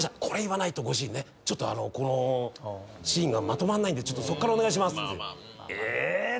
「これ言わないとご主人ねシーンがまとまんないんでちょっとそこからお願いします」え。